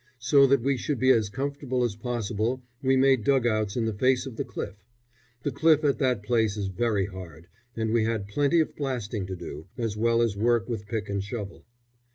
So that we should be as comfortable as possible we made dug outs in the face of the cliff. The cliff at that place is very hard, and we had plenty of blasting to do, as well as work with pick and shovel.